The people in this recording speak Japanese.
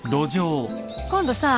今度さ